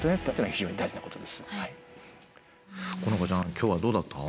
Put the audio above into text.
今日はどうだった？